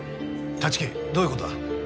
立木どういう事だ？